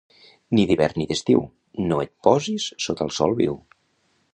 Ni d'hivern ni d'estiu, no et posis sota el sol viu.